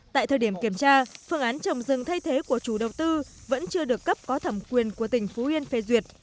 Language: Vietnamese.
tại thời điểm kiểm tra phương án trồng rừng thay thế của chủ đầu tư vẫn chưa được cấp có thẩm quyền của tỉnh phú yên phê duyệt